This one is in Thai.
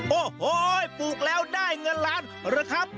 โอ้โหปลูกแล้วได้เงินล้านหรือครับ